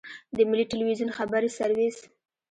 د ملي ټلویزیون خبري سرویس.